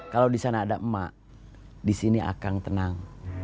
kalau di sana ada emak di sini akang tenang